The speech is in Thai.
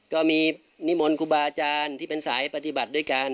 นิมนต์ครูบาอาจารย์ที่เป็นสายปฏิบัติด้วยกัน